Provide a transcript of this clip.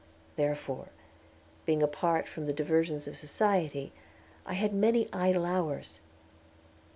Therefore, being apart from the diversions of society, I had many idle hours.